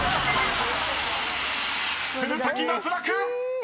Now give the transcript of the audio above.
［鶴崎脱落！］